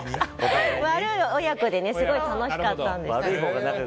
悪い親子ですごい楽しかったんです。